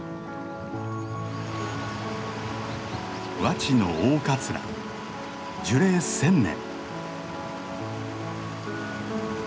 和池の大カツラ樹齢１，０００年。